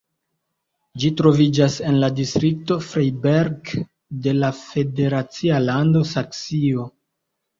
Ĝi troviĝas en la distrikto Freiberg de la federacia lando Saksio.